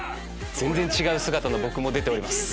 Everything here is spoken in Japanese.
全然違う姿の僕も出ております